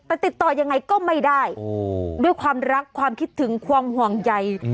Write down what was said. แต่ติดต่อยังไงก็ไม่ได้ด้วยความรักความคิดถึงความห่วงใย